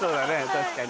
確かに。